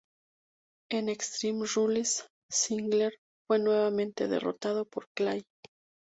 En Extreme Rules, Ziggler fue nuevamente derrotado por Clay.